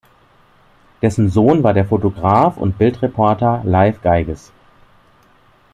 Dessen Sohn war der Fotograf und Bildreporter Leif Geiges.